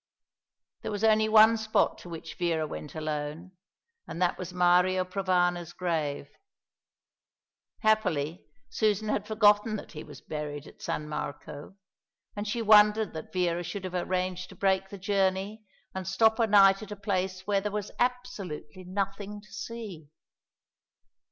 There was only one spot to which Vera went alone, and that was Mario Provana's grave. Happily, Susan had forgotten that he was buried at San Marco; and she wondered that Vera should have arranged to break the journey and stop a night at a place where there was absolutely nothing to see.